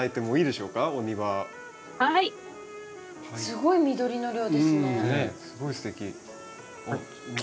すごい緑の量ですね。